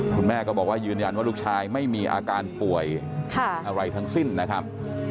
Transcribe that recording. คุณแม่ก็บอกว่ายืนยันว่าลูกชายไม่มีอาการป่วยอะไรทั้งสิ้นนะครับ